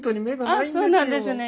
あっそうなんですね。